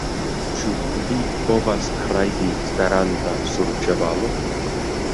Ĉu vi povas rajdi staranta sur ĉevalo?